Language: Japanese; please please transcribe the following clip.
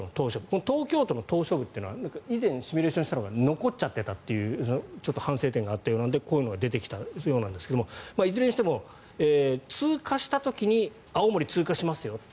この東京都の島しょ部というのは以前、シミュレーションしたのが残っちゃっていたというちょっと反省点があったようなのでこういうのが出てきたようですがいずれにしても通過した時に青森通過しますよ。